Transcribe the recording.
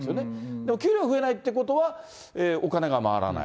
でも給料増えないってことはお金が回らない。